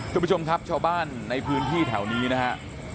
คุณผู้ชมครับชาวบ้านในพื้นที่แถวนี้นะฮะ